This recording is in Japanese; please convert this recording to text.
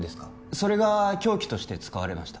それが凶器として使われました